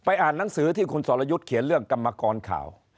อ่านหนังสือที่คุณสรยุทธ์เขียนเรื่องกรรมกรข่าว